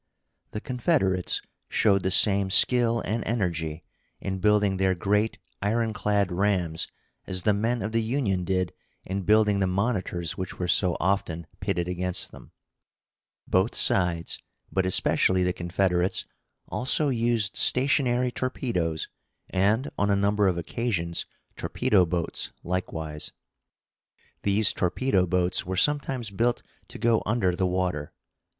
The Confederates showed the same skill and energy in building their great ironclad rams as the men of the Union did in building the monitors which were so often pitted against them. Both sides, but especially the Confederates, also used stationary torpedoes, and, on a number of occasions, torpedo boats likewise. These torpedo boats were sometimes built to go under the water.